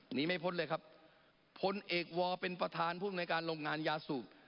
หนีไม่พ้นเลยครับพลเอกวอเป็นประธานภูมิในการโรงงานยาสูบ